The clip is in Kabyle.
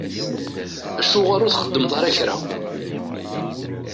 Acuɣeṛ ur txeddmeḍ ara kra?